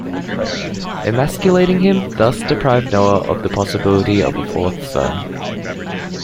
Emasculating him thus deprived Noah of the possibility of a fourth son.